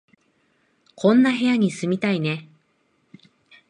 こんな部屋に住みたいね